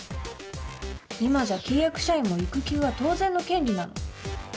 今じゃ契約社員も育休は当然の権利なの。